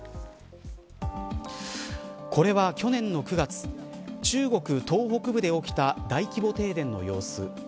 これは、去年の９月中国東北部で起きた大規模停電の様子。